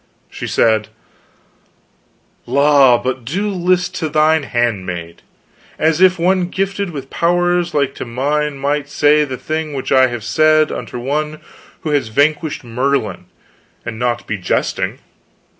She said: "La, but do list to thine handmaid! as if one gifted with powers like to mine might say the thing which I have said unto one who has vanquished Merlin, and not be jesting.